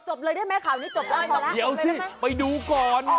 เลยได้ไหมข่าวนี้จบแล้วจบแล้วเดี๋ยวสิไปดูก่อน